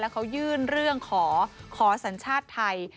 เขายื่นเรื่องขอขอสัญชาติไทย